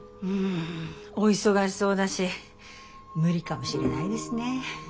お忙しそうだし無理かもしれないですね。